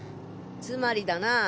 つまりだな。